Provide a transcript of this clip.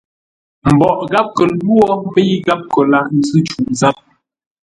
Mboʼ gháp kə lwô, mə́i gháp kə laghʼ ńzʉ́ cûʼ záp.